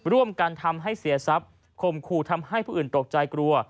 ร่วมกันทำให้เสียทรัพย์คมขู่ทำให้ผู้อื่นตกใจกลัว